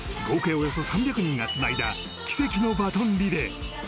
およそ３００人がつないだ奇跡のバトンリレー。